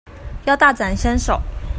要大展身手